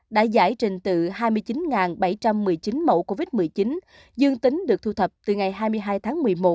đã giải trình từ hai mươi chín bảy trăm một mươi chín mẫu covid một mươi chín dương tính được thu thập từ ngày hai mươi hai tháng một mươi một